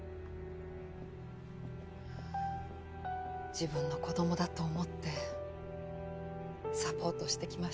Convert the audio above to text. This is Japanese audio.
自分の子供だと思ってサポートしてきました。